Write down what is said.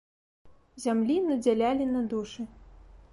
Зямлі надзялялі на душы.